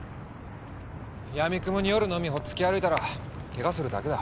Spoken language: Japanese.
やみくもに夜の海ほっつき歩いたらケガするだけだ。